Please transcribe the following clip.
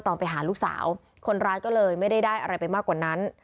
ไปหาลูกสาวคนร้ายก็เลยไม่ได้ได้อะไรไปมากกว่านั้น